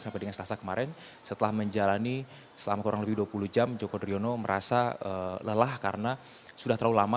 sampai dengan selasa kemarin setelah menjalani selama kurang lebih dua puluh jam joko driono merasa lelah karena sudah terlalu lama